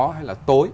hay là tối